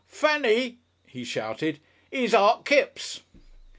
"Fanny!" he shouted. "Here's Art Kipps."